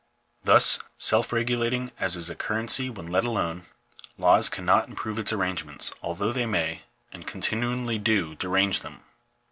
Thus, self regulating as is a currency when let alone, laws cannot improve its arrangements, although they may, and con tinually do, derange them.